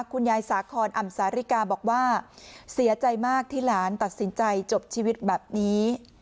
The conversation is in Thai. สาคอนอ่ำสาริกาบอกว่าเสียใจมากที่หลานตัดสินใจจบชีวิตแบบนี้